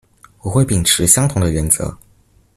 我會秉持相同的原則